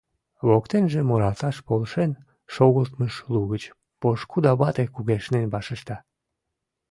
Воктенже муралташ полшен шогылтмыж лугыч пошкудо вате кугешнен вашешта: